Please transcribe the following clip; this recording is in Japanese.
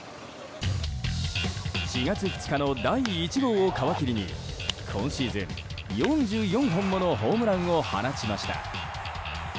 ４月２日の第１号を皮切りに今シーズン４４本ものホームランを放ちました。